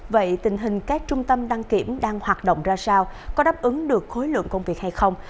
vậy tình hình các trung tâm đăng kiểm đang hoạt động ra sao có đáp ứng được khối lượng công việc hay không